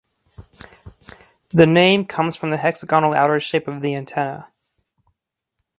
The name comes from the hexagonal outer shape of the antenna.